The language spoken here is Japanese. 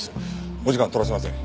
お時間取らせません。